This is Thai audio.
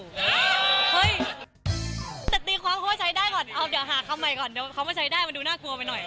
เฮ้ยแต่ตีความเขาว่าใช้ได้ก่อนเอาเดี๋ยวหาคำใหม่ก่อนเดี๋ยวเขามาใช้ได้มันดูน่ากลัวไปหน่อย